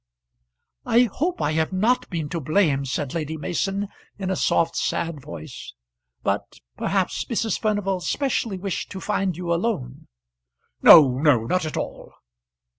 "I hope I have not been to blame," said Lady Mason in a soft, sad voice; "but perhaps Mrs. Furnival specially wished to find you alone." "No, no; not at all."